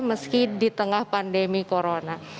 meski di tengah pandemi corona